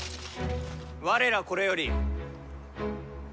我らこれより本領